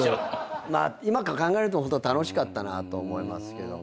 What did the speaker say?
まあ今考えると楽しかったなと思いますけども。